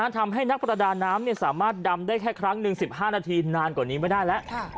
ทำให้นักประดาน้ำสามารถดำได้แค่ครั้งหนึ่ง๑๕นาทีนานกว่านี้ไม่ได้แล้ว